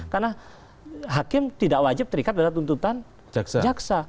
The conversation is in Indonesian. karena hakim tidak wajib terikat dengan tuntutan jaksa